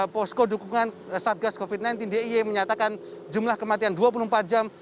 posko dukungan satgas covid sembilan belas d i e menyatakan jumlah kematian dua puluh empat jam